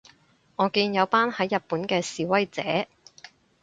我見有班喺日本嘅示威者